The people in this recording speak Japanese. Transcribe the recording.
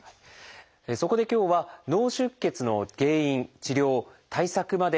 そこで今日は脳出血の原因治療対策まで詳しくお伝えします。